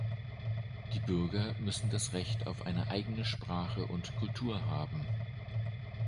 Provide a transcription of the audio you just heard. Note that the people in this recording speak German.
Die Bürger müssen das Recht auf eine eigene Sprache und Kultur haben.